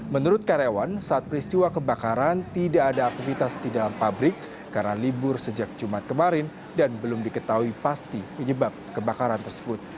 menurut karyawan saat peristiwa kebakaran tidak ada aktivitas di dalam pabrik karena libur sejak jumat kemarin dan belum diketahui pasti penyebab kebakaran tersebut